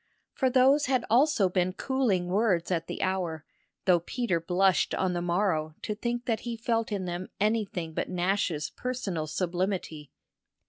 For those had also been cooling words at the hour, though Peter blushed on the morrow to think that he felt in them anything but Nash's personal sublimity.